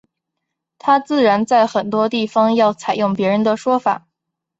他自然在很多地方要采用别人的说法。